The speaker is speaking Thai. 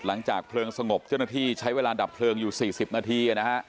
หลังจากเพลิงสงบเจ้าหน้าที่ใช้เวลาดับเพลิงอยู่๔๐นาทีนะฮะ